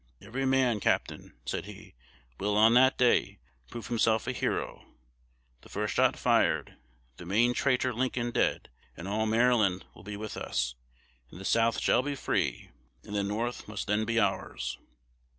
Every man, captain,' said he, 'will on that day prove himself a hero. The first shot fired, the main traitor (Lincoln) dead, and all Maryland will be with us, and the South shall be free; and the North must then be ours.'